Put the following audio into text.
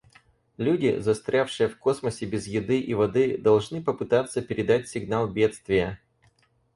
Люди, застрявшие в космосе без еды и воды, должны попытаться передать сигнал бедствия.